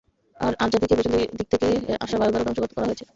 আর আদ জাতিকে পেছন দিক থেকে আসা বায়ু দ্বারা ধ্বংস করা হয়েছে।